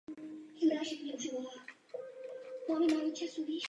Soubor soch je součástí památkově chráněného zámeckého areálu.